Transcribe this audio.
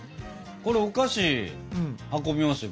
これお菓子運びますよ